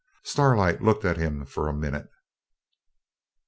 Starlight looked at him for a minute.